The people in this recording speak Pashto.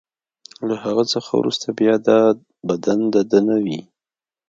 له هغه څخه وروسته بیا دا بدن د ده نه وي.